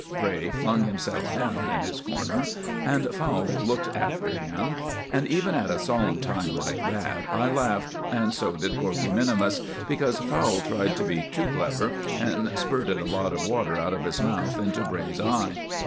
Bray flung himself down in his corner, and Fowle looked after him; and even at a solemn time like that I laughed, and so did Corkey minimus, because Fowle tried to be too clever, and spurted a lot of water out of his mouth into Bray's eye.